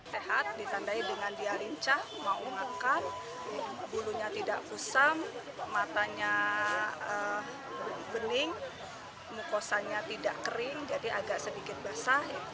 sehat ditandai dengan dia lincah mau makan bulunya tidak kusam matanya bening mukosanya tidak kering jadi agak sedikit basah